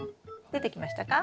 出てきましたか？